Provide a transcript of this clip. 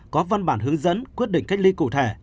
có văn bản hướng dẫn quyết định cách ly cụ thể